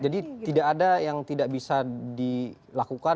jadi tidak ada yang tidak bisa diberikan perlindungan